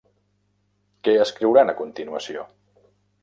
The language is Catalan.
Què escriuran a continuació?